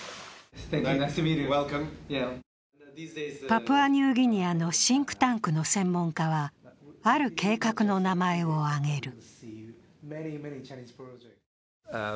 パプアニューギニアのシンクタンクの専門家は、ある計画の名前を挙げる。